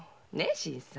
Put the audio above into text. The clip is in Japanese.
新さん。